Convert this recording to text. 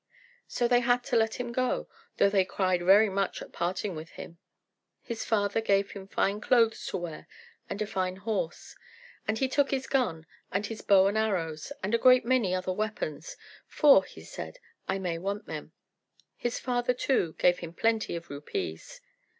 So they had to let him go, though they cried very much at parting with him. His father gave him fine clothes to wear, and a fine horse. And he took his gun, and his bow and arrows, and a great many other weapons, "for," he said, "I may want them." His father, too, gave him plenty of rupees.